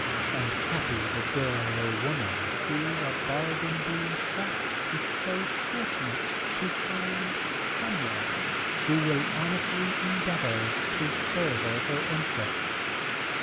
And happy the girl or woman who, a bargain being struck, is so fortunate as to find someone who will honestly endeavor to further her interests.